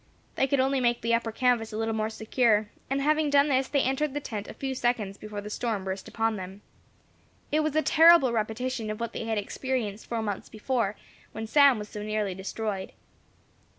They could only make the upper canvas a little more secure, and having done this, they entered the tent a few seconds before the storm burst upon them. It was a terrible repetition of what they had experienced four months before, when Sam was so nearly destroyed.